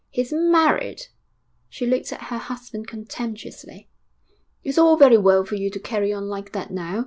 'He's married!' ... She looked at her husband contemptuously. 'It's all very well for you to carry on like that now.